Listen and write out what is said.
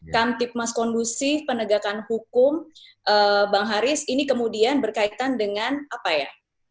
kamtipmas kondusif penegakan hukum bang haris ini kemudian berkaitan dengan apa ya